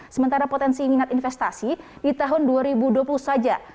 sementara potensi minat investasi di tahun dua ribu dua puluh saja